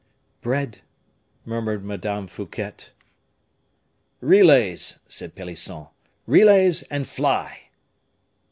"Bread," murmured Madame Fouquet. "Relays," said Pelisson, "relays, and fly!"